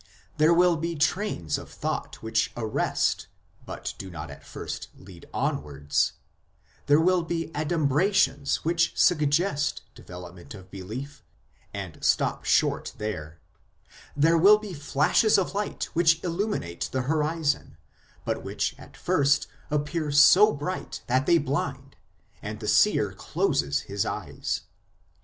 There will be trains of thought which arrest, but do not at first lead onwards ; there will be adumbrations which suggest development of belief, and stop short there ; there will be flashes of light which illuminate the horizon, but which at first appear so bright that they blind, and the seer closes his eyes.